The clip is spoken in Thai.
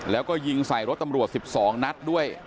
แล้วก็ยิงใส่รถตำรวจ๑๒นัดด้วย